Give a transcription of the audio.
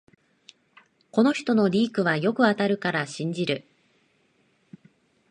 この人のリークはよく当たるから信じる